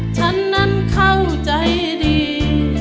ฉันนั้นเข้าใจดี